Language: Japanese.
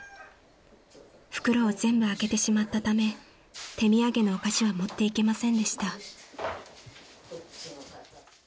［袋を全部開けてしまったため手土産のお菓子は持っていけませんでした］